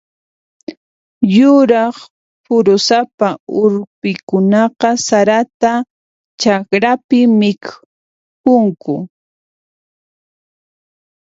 Yuraq phurusapa urpikunaqa sarata chakrapi mikhunku.